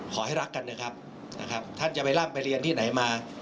ขอให้รักกันนะครับท่านจะไปร่ำไปเรียนที่ไหนมา